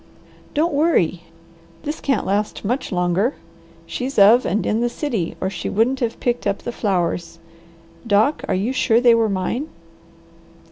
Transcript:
"Don't worry! This can't last much longer. She's of and in the city or she wouldn't have picked up the flowers. Doc, are you sure they were mine?"